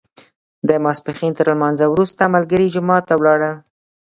د ماسپښین تر لمانځه وروسته ملګري جومات ته ولاړل.